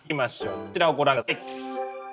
こちらをご覧下さい！